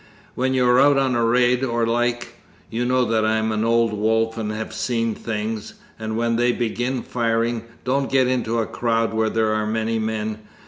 When you are out on a raid or the like (you know I'm an old wolf and have seen things), and when they begin firing, don't get into a crowd where there are many men.